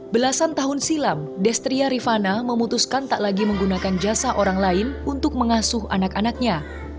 belasan tahun silam destria rifana memutuskan tak lagi menggunakan jasa orang lain untuk mengasuh anak anaknya